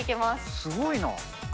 すごいな。